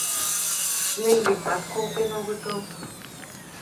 Неллимат колтен огытыл.